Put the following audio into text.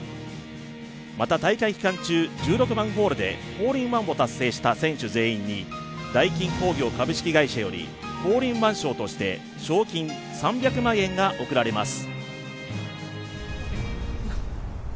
また大会期間中、１６番ホールでホールインワンを達成した選手全員にダイキン工業株式会社よりホールインワン賞として賞金３００万円が贈られます。